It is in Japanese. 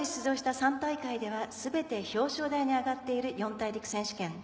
３大会では全て表彰台に上がっている四大陸選手権。